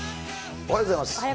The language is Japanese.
おはようございます。